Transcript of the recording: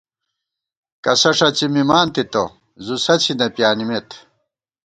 کسہ ݭڅِی مِمان تِتہ، زُو سَسی نہ پیانِمېت